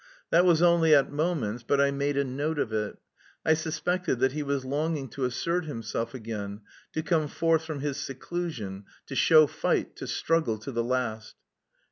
That was only at moments, but I made a note of it. I suspected that he was longing to assert himself again, to come forth from his seclusion, to show fight, to struggle to the last.